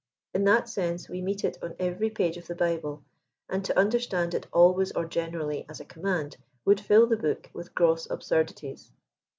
In that sense we meet it on every page of the Bible, and to understand it always or generally as a command, would fill the book with gross absurdities.